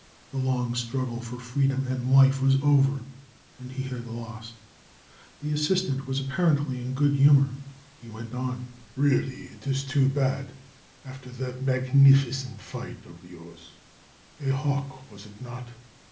The long struggle for freedom and life was over, and he had lost. The assistant was apparently in good humor. He went on: "Really, it is too bad, after that magnificent fight of yours! A hawk was it not?